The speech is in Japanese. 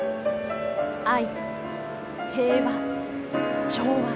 愛、平和、調和。